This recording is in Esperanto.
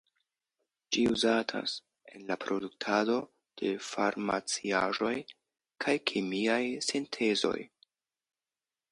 Ĝi uzatas en la produktado de farmarciaĵoj kaj kemiaj sintezoj.